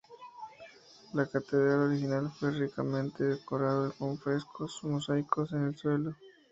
La catedral original fue ricamente decorado con frescos y mosaicos en el suelo.